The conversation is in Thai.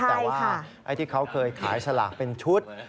แต่ว่าไอ้ที่เขาเคยขายสลากเป็นชุด